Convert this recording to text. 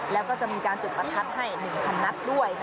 แล้วก็จะมีการจุดประทัดให้๑๐๐นัดด้วย